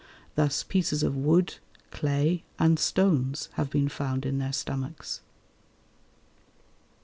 Thus pieces of wood, clay, and stones have been found in their stomachs.